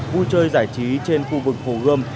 vui chơi giải trí trên khu vực phố gươm